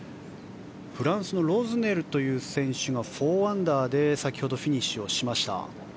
フランスのロズネルという選手が４アンダーで先ほどフィニッシュしました。